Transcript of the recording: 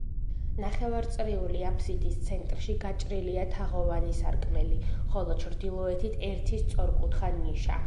ნახევარწრიული აბსიდის ცენტრში გაჭრილია თაღოვანი სარკმელი, ხოლო ჩრდილოეთით ერთი სწორკუთხა ნიშა.